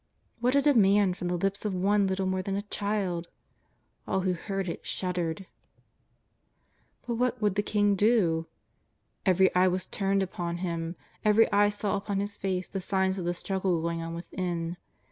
What a demand from the lips of one little more than a child! All who heard it shuddered. But what 234 JESUS OF N^\^A11ETU. would the king do ? Even eye was turned upon him. Every eye saw upon his face the signs of the struggle going on within.